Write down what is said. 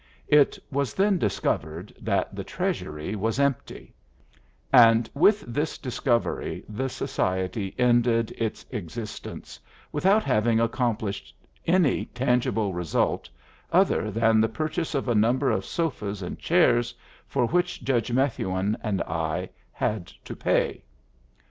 It was then discovered that the treasury was empty; and with this discovery the society ended its existence, without having accomplished any tangible result other than the purchase of a number of sofas and chairs, for which Judge Methuen and I had to pay.